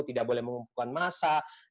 tidak boleh mengumpulkan massa